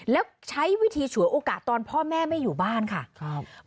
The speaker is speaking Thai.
แล้วใช้วิธีฉวยโอกาสตอนพ่อแม่ไม่อยู่บ้านค่ะครับ